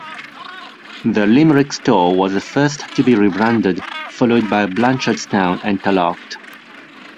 The Limerick store was the first to be rebranded, followed by Blanchardstown and Tallaght.